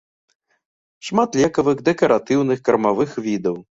Шмат лекавых, дэкаратыўных, кармавых відаў.